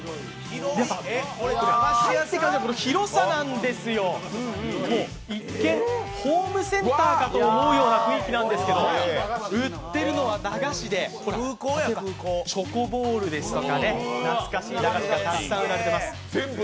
この広さなんですよ、一見、ホームセンターかと思うような雰囲気なんですけど売ってるのは駄菓子で、チョコボールですとか懐かしい駄菓子がたくさん売られています。